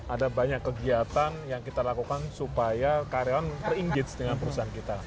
ada banyak kegiatan yang kita lakukan supaya karyawan ter engage dengan perusahaan kita